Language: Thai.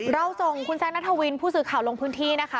เราส่งคุณแซคนัทวินผู้สื่อข่าวลงพื้นที่นะคะ